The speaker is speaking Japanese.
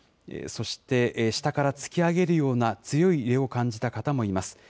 そして、下から突き上げるような強い揺れを感じた方もいます。